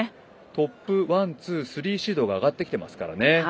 トップワンツー、スリーシードが上がってきてますからね。